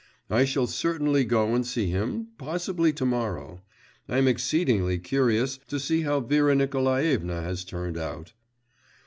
I shall certainly go and see him, possibly to morrow. I am exceedingly curious to see how Vera Nikolaevna has turned out.